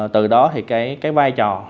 từ đó thì cái vai trò